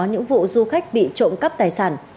những vụ du khách bị trộm cắp tài sản